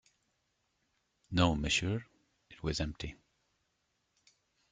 No, monsieur; it was empty.